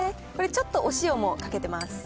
これ、ちょっとお塩もかけてます。